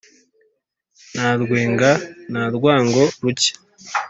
na rwenga na rwango-ruke,